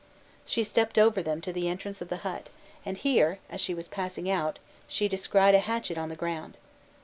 She stepped over them to the entrance of the hut; and here, as she was passing out, she descried a hatchet on the ground.